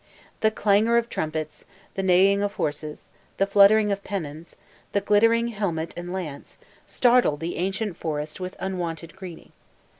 The clangor of trumpets, the neighing of horses, the fluttering of pennons, the glittering of helmet and lance, startled the ancient forest with unwonted greeting.